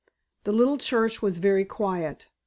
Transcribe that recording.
The little church was very quiet.